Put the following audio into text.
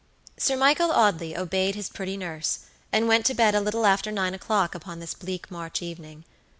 Sir Michael Audley obeyed his pretty nurse, and went to bed a little after nine o'clock upon this bleak March evening.